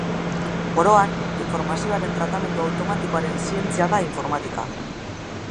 Oro har, informazioaren tratamendu automatikoaren zientzia da informatika.